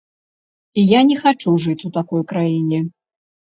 І я не хачу жыць у такой краіне.